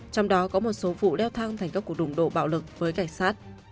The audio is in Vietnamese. trong đó có một số vụ leo thang thành các cuộc đụng độ bạo lực với cảnh sát